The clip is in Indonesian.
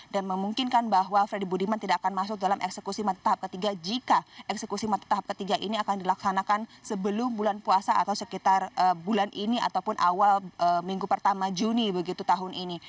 dan memungkinkan bahwa freddy budiman tidak akan masuk dalam eksekusi matahab ketiga jika eksekusi matahab ketiga ini akan dilaksanakan sebelum bulan puasa atau sekitar bulan ini ataupun awal minggu pertama juni begitu tahun ini